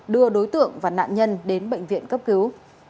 đưa đối tượng và nạn nhân đến bệnh viện cấp cứu